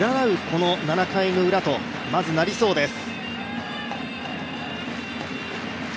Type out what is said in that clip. この７回のウラとまず、なりそうです。